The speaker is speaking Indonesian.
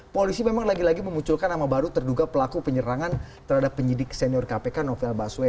polisi memang lagi lagi memunculkan nama baru terduga pelaku penyerangan terhadap penyidik senior kpk novel baswedan